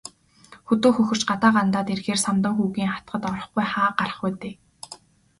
Хөдөө хөхөрч, гадаа гандаад ирэхээрээ Самдан хүүгийн атгад орохгүй хаа гарах вэ дээ.